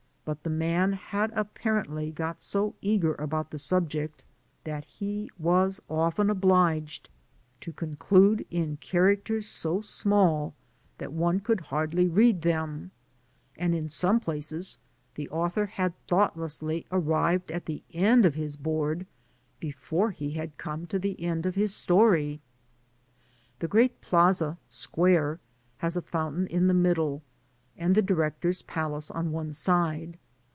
but the man had apparently got so eager about the subject, that he was oft^i obliged to conclude in characters so small, that one could hardly read them, and in some places the author had though tlesdy arrived at the end of his board before he had come to the end of his story. Digitized byGoogk 186 PASSAGB ACROSS The great Plaza (square) has a fountain in the middle, and the Director's palace on one side.